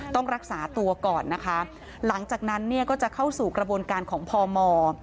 ต้องรักษาตัวก่อนนะคะหลังจากนั้นเนี่ยก็จะเข้าสู่กระบวนการของพม